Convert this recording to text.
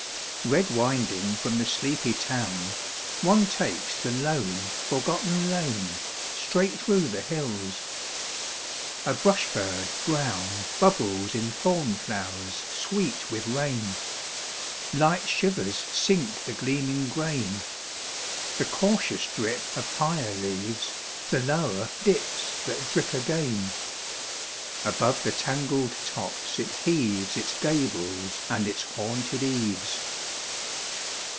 1. Red winding from the sleepy town, One takes the lone, forgotten lane Straight through the hills. A brush bird brown Bubbles in thorn flowers sweet with rain; Light shivers sink the gleaming grain; The cautious drip of higher leaves The lower dips that drip again. Above the tangled tops it heaves Its gables and its haunted eaves.